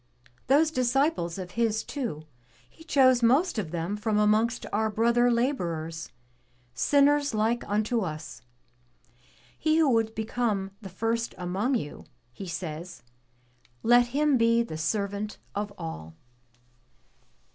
Those disciples of His too. He chose most of them from amongst our brother laborers, sinners like unto us. 'He who would become the first among you,' he says, 'let him be the servant of all.'